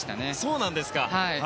そうなんですか。